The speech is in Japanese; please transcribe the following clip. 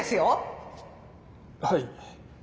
はい。